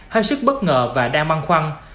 hơi sức bất ngờ và đang băng khoăn